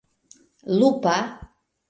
lupa